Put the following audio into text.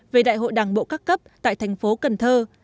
về đại hội đảng bộ các cấp tại thành phố cần thơ